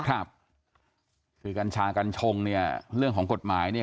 ครับคือกัญชากัญชงเนี่ยเรื่องของกฎหมายเนี่ย